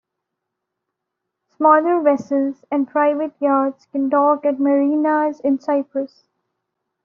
Smaller vessels and private yachts can dock at Marinas in Cyprus.